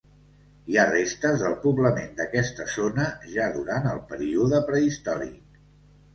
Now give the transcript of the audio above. Hi ha restes del poblament d'aquesta zona ja durant el període prehistòric.